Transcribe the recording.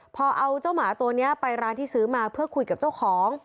พอเอาเจ้าหมาตัวนี้ไปร้านที่ซื้อมาเพื่อคุยกับเจ้าของ